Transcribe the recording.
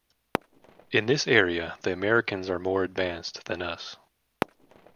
In this area the Americans are far more advanced than us.